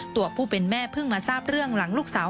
ตัวผู้เป็นแม่เพิ่งมาทราบเรื่องหลังลูกสาว